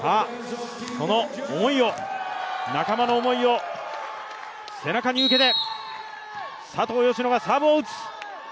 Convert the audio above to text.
その仲間の思いを背中に受けて佐藤淑乃がサーブを打つ。